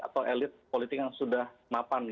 atau elit politik yang sudah mapan